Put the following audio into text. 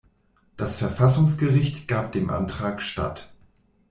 Das Verfassungsgericht gab dem Antrag statt.